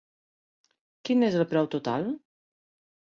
Quin és el preu total?